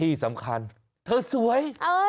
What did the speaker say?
ที่สำคัญเธอสวย